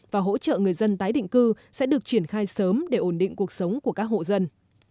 và hỗ trợ người dân tái định cư sẽ được triển khai sớm để ổn định cuộc sống của các hộ dân